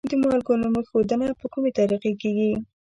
د مالګو نوم ایښودنه په کومې طریقې کیږي؟